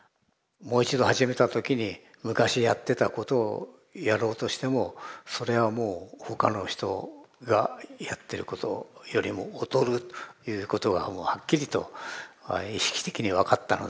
もう一度始めた時に昔やってたことをやろうとしてもそれはもう他の人がやってることよりも劣るということがもうはっきりと意識的に分かったのね。